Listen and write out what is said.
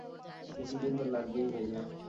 কিছুদিন তো লাগবেই, ভাইয়া।